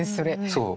そう。